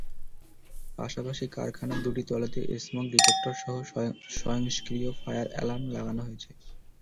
পাশাপাশি কারখানার দুটি তলাতেই স্মোক ডিটেক্টরসহ স্বয়ংক্রিয় ফায়ার অ্যালার্ম লাগানো হয়েছে।